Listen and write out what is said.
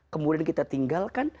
kemudian kita tinggalkan